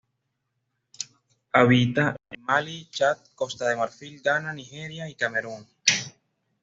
Habita en Malí, Chad, Costa de Marfil, Ghana, Nigeria y Camerún.